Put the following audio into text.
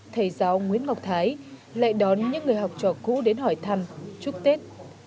thầy giáo nguyễn ngọc thái lại đón những người học trò cũ đến hỏi thăm chúc tết